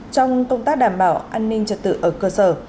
trong công tác đảm bảo an ninh trật tự ở cơ sở